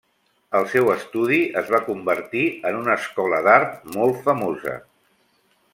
El seu estudi es va convertir en una escola d'art molt famosa.